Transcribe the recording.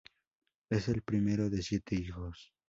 Es el primero de siete hijos.